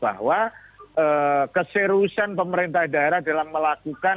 bahwa keseriusan pemerintah daerah dalam melakukan